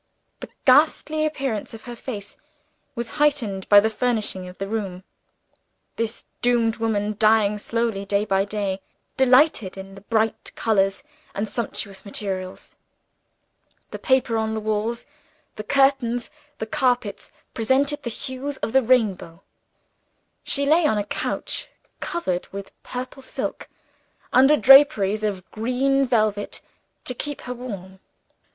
The ghastly appearance of her face was heightened by the furnishing of the room. This doomed woman, dying slowly day by day, delighted in bright colors and sumptuous materials. The paper on the walls, the curtains, the carpet presented the hues of the rainbow. She lay on a couch covered with purple silk, under draperies of green velvet to keep her warm.